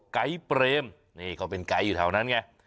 ไกด์เปรมนี่เขาเป็นไกด์อยู่แถวนั้นไง